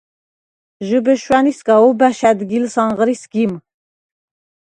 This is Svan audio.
ჟიბე შვა̈ნისგა ობა̈შ ა̈დგილს ანღრი სგიმ.